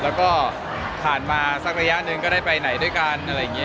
แล้วก็ผ่านมาสักระยะนึงได้ไปไหนด้วยกัน